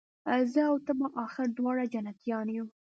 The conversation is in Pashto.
زه او ته به آخر دواړه جنتیان یو